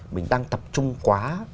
mình đang tập trung quá